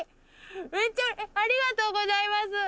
めっちゃありがとうございます。